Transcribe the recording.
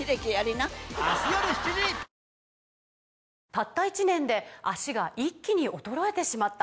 「たった１年で脚が一気に衰えてしまった」